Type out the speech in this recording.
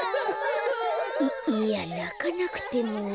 いやなかなくても。